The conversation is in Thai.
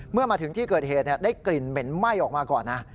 เมื่อมาถึงที่เกิดเหตุได้กลิ่นเหม็นไหม้ออกมาก่อนนะ